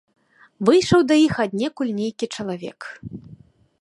Выйшаў да іх аднекуль нейкі чалавек.